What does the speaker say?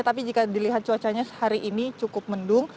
tapi jika dilihat cuacanya hari ini cukup mendung